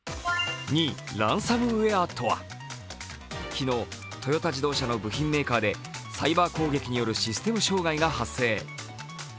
２位ランサムウエアとは昨日、トヨタ自動車の部品メーカーでサイバー攻撃によるシステム障害が発生。